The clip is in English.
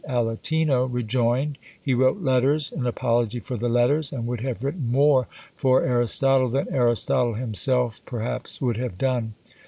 Aletino rejoined; he wrote letters, an apology for the letters, and would have written more for Aristotle than Aristotle himself perhaps would have done.